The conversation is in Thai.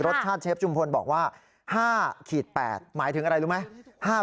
รสชาติเชฟชุมพลบอกว่า๕๘หมายถึงอะไรรู้ไหม